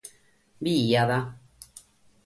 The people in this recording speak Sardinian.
Bidiat